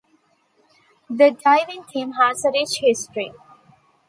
The diving team has a rich history.